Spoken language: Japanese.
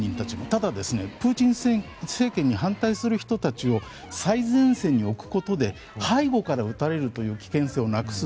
ただ、プーチン政権に反対する人たちを最前線に置くことで背後から撃たれるという危険性をなくす。